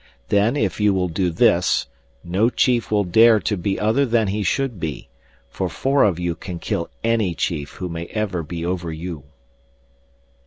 Then, if you will do this, no chief will dare to be other than he should be, for four of you can kill any chief who may ever be over you."